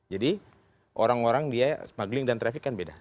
jadi orang orang dia smuggling dan traffic kan beda